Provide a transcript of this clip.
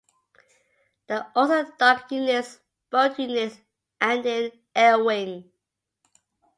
There are also dog units, boat units, and an air wing.